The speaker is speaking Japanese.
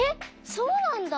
そうなんだ！